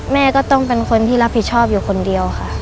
แม่ก็ต้องเป็นคนที่รับผิดชอบอยู่คนเดียวค่ะ